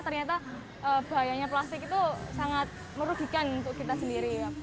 ternyata bahayanya plastik itu sangat merugikan untuk kita sendiri